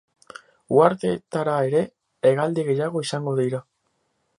Uharteetara ere, hegaldi gehiago izango dira.